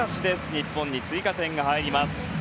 日本に追加点が入ります。